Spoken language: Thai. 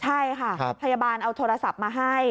ใช่ค่ะพยาบาลเอาโทรศัพท์มาให้